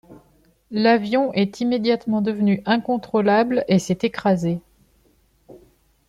L'avion est immédiatement devenu incontrôlable et s'est écrasé.